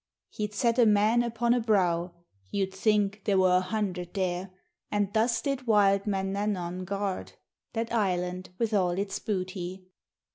He'd set a man upon a brow, You'd think there were a hundred there; And thus did wild Manannan guard That island with all its booty.